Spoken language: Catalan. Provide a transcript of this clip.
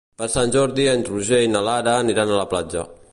Per Sant Jordi en Roger i na Lara aniran a la platja.